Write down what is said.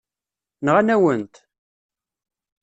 Nɣan-awen-t.